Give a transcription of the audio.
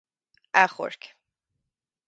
Achomhairc.